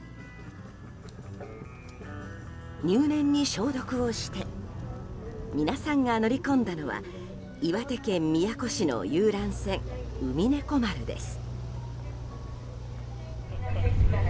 入念に消毒をして皆さんが乗り込んだのは岩手県宮古市の遊覧船「うみねこ丸」です。